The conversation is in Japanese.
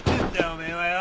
おめえはよ。